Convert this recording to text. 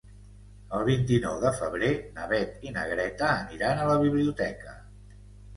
El vint-i-nou de febrer na Beth i na Greta aniran a la biblioteca.